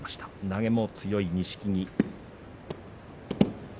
投げも強い錦木です。